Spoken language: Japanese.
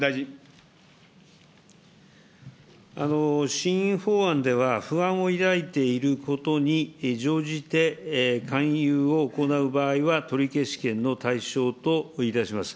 新法案では、不安を抱いていることに乗じて勧誘を行う場合は、取消権の対象といたします。